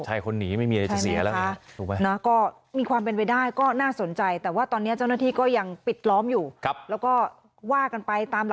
ใช่คนหนีไม่มีอะไรจะเสียแล้วเนี่ยถูกไหม